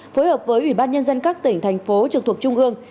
phối hợp với ủy ban nhân dân các tỉnh thành phố trực thuộc trung ương